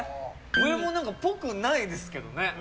上、もうなんかっぽくないですけどね。